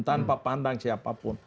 tanpa pandang siapapun